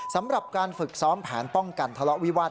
สำหรับการฝึกซ้อมแผนป้องกันทะเลาะวิวาส